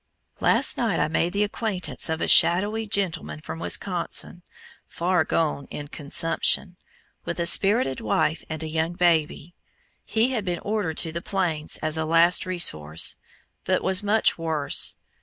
Last night I made the acquaintance of a shadowy gentleman from Wisconsin, far gone in consumption, with a spirited wife and young baby. He had been ordered to the Plains as a last resource, but was much worse.